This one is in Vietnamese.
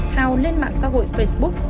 hào lên mạng xã hội facebook